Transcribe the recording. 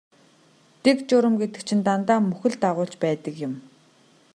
Дэг журам гэдэг чинь дандаа мөхөл дагуулж байдаг юм.